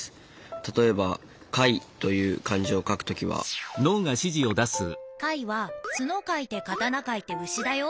例えば「解」という漢字を書く時は解は「角」書いて「刀」書いて「牛」だよ。